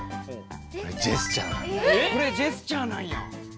これジェスチャーなんです。